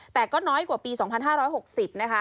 แต่ก็น้อยกว่าปี๒๕๖๐นะคะ